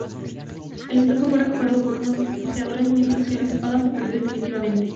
El espejo fue recuperado por unos buceadores mientras que la espada se perdió definitivamente.